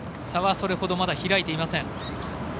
差はそれほどまだ開いていません。